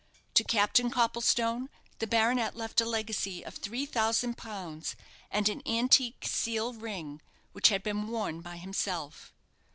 To Captain Copplestone the baronet left a legacy of three thousand pounds, and an antique seal ring which had been worn by himself.